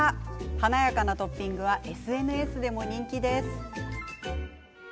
華やかなトッピングはＳＮＳでも人気です。